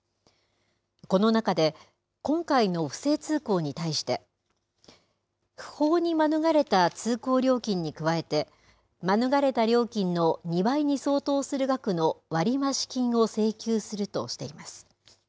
この中で、今回の不正通行に対して、不法に免れた通行料金に加えて、免れた料金の２倍に相当する額の割増金を請求するとしています。